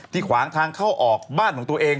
ขวางทางเข้าออกบ้านของตัวเอง